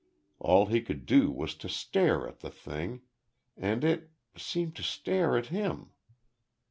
All he could do was to stare at the thing, and it seemed to stare at him.